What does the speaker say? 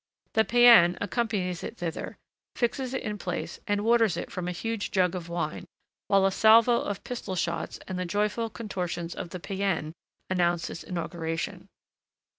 The païen accompanies it thither, fixes it in place, and waters it from a huge jug of wine, while a salvo of pistol shots and the joyful contortions of the païenne announce its inauguration.